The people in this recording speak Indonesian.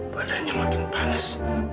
padanya makin panas